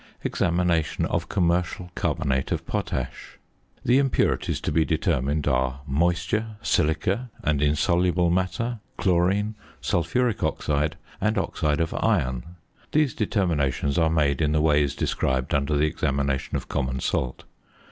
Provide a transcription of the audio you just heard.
~Examination of Commercial Carbonate of Potash.~ The impurities to be determined are moisture, silica, and insoluble matter, chlorine, sulphuric oxide, and oxide of iron. These determinations are made in the ways described under the examination of common salt.